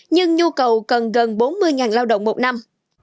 nhưng nhu cầu cần gần bốn mươi lao động một năm